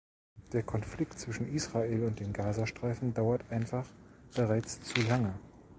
Der Konflikt zwischen Israel und dem Gaza-Streifen dauert einfach bereits zu lange.